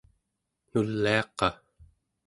nuliaqa